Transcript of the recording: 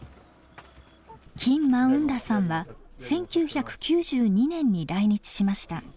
キン・マウン・ラさんは１９９２年に来日しました。